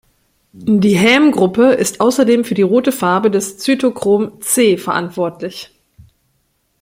Die Häm-Gruppe ist außerdem für die rote Farbe des Cytochrom "c" verantwortlich.